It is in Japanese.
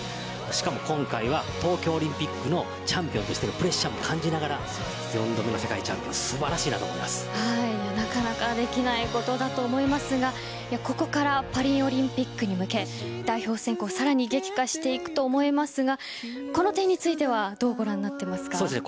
しかも今回は東京オリンピックのチャンピオンとしてのプレッシャーを感じながら４度目の世界チャンピオンはなかなかできないことだと思いますがここからパリオリンピックに向け代表選考をさらに激化していくと思いますがこの点についてはどうご覧になっていますか。